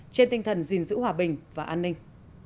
trên tinh thần gìn giữ hòa bình và an ninh